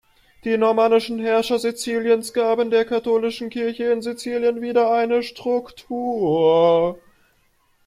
Die normannischen Herrscher Siziliens gaben der Katholischen Kirche in Sizilien wieder eine Struktur.